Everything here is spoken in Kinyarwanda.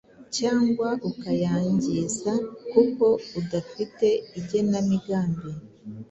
cyangwa ukayangiza kuko udafite igenamigambi.